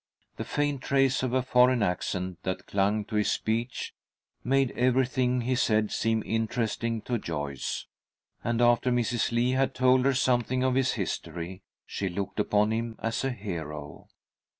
The faint trace of a foreign accent that clung to his speech made everything he said seem interesting to Joyce, and after Mrs. Lee had told her something of his history, she looked upon him as a hero.